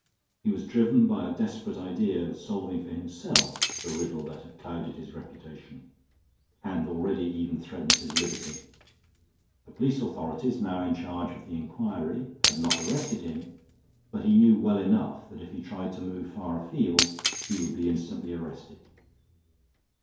He was driven by a desperate idea of solving for himself the riddle that had clouded his reputation and already even threatened his liberty. The police authorities, now in charge of the inquiry, had not arrested him, but he knew well enough that if he tried to move far afield he would be instantly arrested.